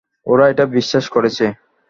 ওরা এটা বিশ্বাস করেছে।